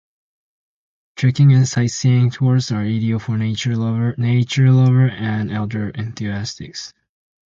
Trekking and sightseeing tours are ideal for nature lovers and outdoor enthusiasts.